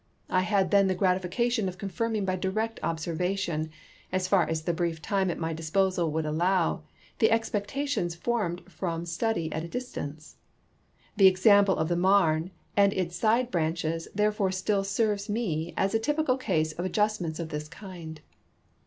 I then had the gratification of confirming by direct observation, as far as the brief time at my disposal would allow, the expecta tions formed from study at a distance. The example of the Marne and its side branches therefore still serves me as atypical case of adjustments of this kind.